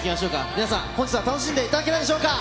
皆さん、本日は楽しんでいただけたでしょうか。